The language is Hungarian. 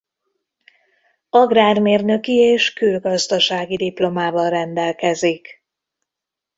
Agrármérnöki és külgazdasági diplomával rendelkezik.